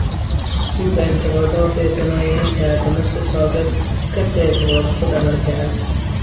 او به انتقادات اعتنایی نکرد و مثل سابق طبق اعتقاد خود عمل کرد.